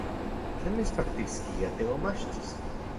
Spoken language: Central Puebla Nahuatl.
¿Tlen mitspaktiskia timomachtis?